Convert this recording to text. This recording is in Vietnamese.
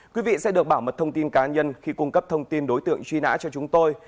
quý vị sẽ được bảo mật thông tin cá nhân khi cung cấp thông tin đối tượng truy nã cho chúng tôi